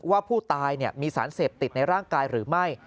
ว่าผู้ตายมีสารเสพติดในร่างกายหรือไม่